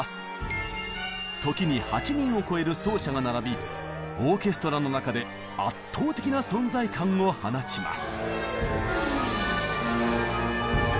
時に８人を超える奏者が並びオーケストラの中で圧倒的な存在感を放ちます。